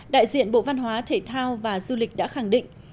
đại diện bộ văn hóa thể thao và du lịch đã khẳng định